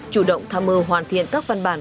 chủ động tham mưu hoàn thiện các văn bản